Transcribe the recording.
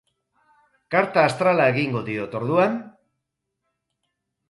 Karta astrala egingo diot, orduan?